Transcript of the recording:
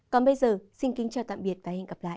còn bây giờ xin kính chào tạm biệt và hẹn gặp lại